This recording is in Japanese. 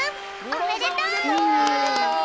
おめでとう！